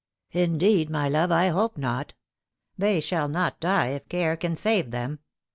" Indeed, my love, I hope not. They shall not die, if care can save them.